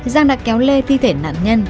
giang đã kéo lê thi thể nạn nhân